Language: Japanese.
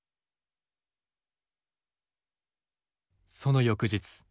その翌日。